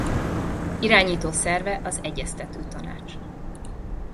Irányító szerve az Egyeztető Tanács.